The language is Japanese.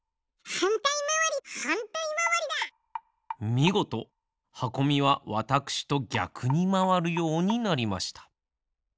みごとはこみはわたくしとぎゃくにまわるようになりました。